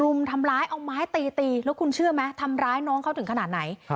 รุมทำร้ายเอาไม้ตีตีแล้วคุณเชื่อไหมทำร้ายน้องเขาถึงขนาดไหน